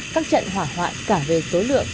các trận hỏa hoạn cả về số lượng